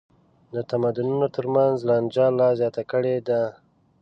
د تمدنونو تر منځ لانجه لا زیاته کړې ده.